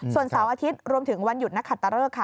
ส่วนเสาร์อาทิตย์รวมถึงวันหยุดนักขัตตะเริกค่ะ